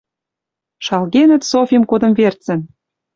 Шалгенӹт Софим кодым верцӹн!